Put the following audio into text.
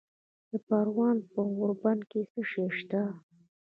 د پروان په غوربند کې څه شی شته؟